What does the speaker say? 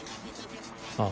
ああ。